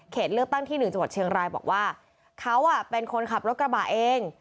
เลือกตั้งที่๑จังหวัดเชียงรายบอกว่าเขาเป็นคนขับรถกระบะเอง